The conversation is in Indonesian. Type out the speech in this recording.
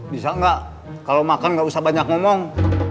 bisa enggak kalau makan enggak usah banyak ngomong